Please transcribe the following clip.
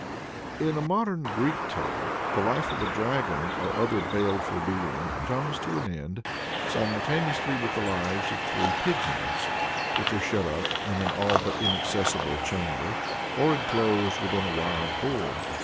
In a Modern Greek tale the life of a dragon or other baleful being comes to an end simultaneously with the lives of three pigeons which are shut up in an all but inaccessible chamber, or inclosed within a wild boar.